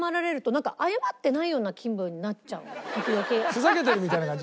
ふざけてるみたいな感じ？